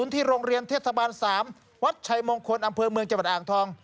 ที่โรงเรียนเทศบาล๓วัดชัยมงคลอำเภอเมืองจังหวัดอ่างทอง